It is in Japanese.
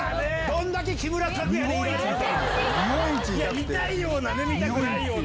見たいような見たくないような。